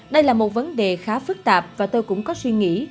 đây là một vấn đề khá phức tạp và tôi cũng có suy nghĩ